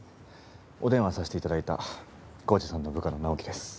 お電話させていただいた晃司さんの部下の直樹です。